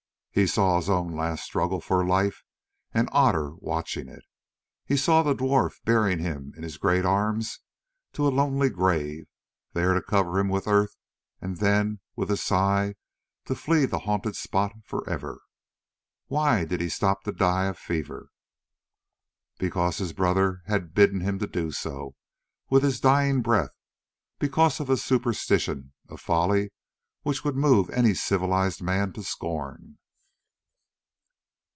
He saw his own last struggle for life and Otter watching it. He saw the dwarf bearing him in his great arms to a lonely grave, there to cover him with earth, and then, with a sigh, to flee the haunted spot for ever. Why did he stop to die of fever? Because his brother had bidden him to do so with his dying breath; because of a superstition, a folly, which would move any civilised man to scorn.